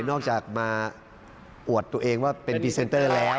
นอกจากมาอวดตัวเองว่าเป็นพรีเซนเตอร์แล้ว